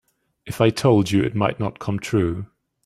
If I told you it might not come true.